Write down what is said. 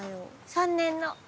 ３年の。